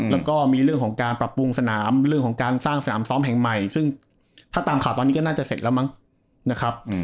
แล้วก็มีเรื่องของการปรับปรุงสนามเรื่องของการสร้างสนามซ้อมแห่งใหม่ซึ่งถ้าตามข่าวตอนนี้ก็น่าจะเสร็จแล้วมั้งนะครับ